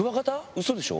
ウソでしょ？